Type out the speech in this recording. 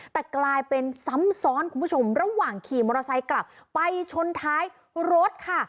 แต่กลายเป็นซ้ำซ้อนคุณผู้ชมระหว่างขี่มอเตอร์ไซค์กลับไปชนท้ายรถค่ะ